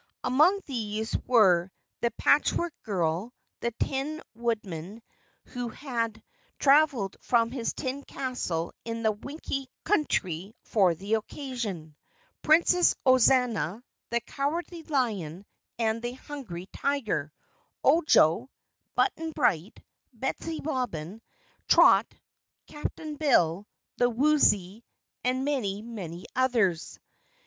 Among these were the Patchwork Girl, the Tin Woodman who had traveled from his tin castle in the Winkie country for the occasion, Princess Ozana, the Cowardly Lion and the Hungry Tiger, Ojo, Button Bright, Betsy Bobbin, Trot, Cap'n Bill, the Woozy, and many, many others.